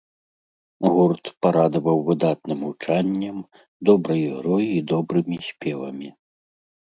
Гурт парадаваў выдатным гучаннем, добрай ігрой і добрымі спевамі.